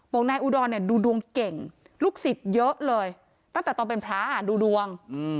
นายอุดรเนี่ยดูดวงเก่งลูกศิษย์เยอะเลยตั้งแต่ตอนเป็นพระดูดวง